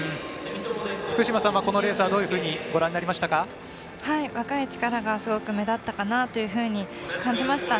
福島さんはこのレースどういうふうにご覧になりましたか？若い力がすごい目立ったかなと感じました。